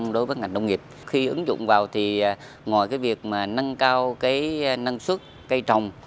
đối với ngành nông nghiệp khi ứng dụng vào thì ngoài cái việc mà nâng cao năng suất cây trồng